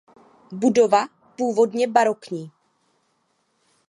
Budova původně barokní.